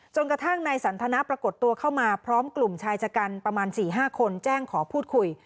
กระทั่งนายสันทนาปรากฏตัวเข้ามาพร้อมกลุ่มชายชะกันประมาณ๔๕คนแจ้งขอพูดคุย